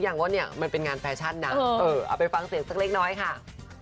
อ่านะคะงานไม่ใหญ่แน่นะวีเธอค่ะ